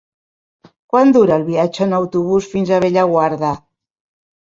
Quant dura el viatge en autobús fins a Bellaguarda?